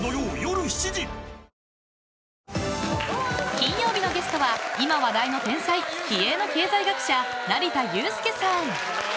［金曜日のゲストは今話題の天才気鋭の経済学者成田悠輔さん］